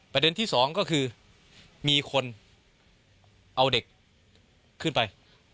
ประเด็นที่สองก็คือมีคนเอาเด็กขึ้นไป